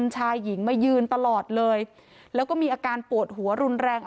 ชายหญิงมายืนตลอดเลยแล้วก็มีอาการปวดหัวรุนแรง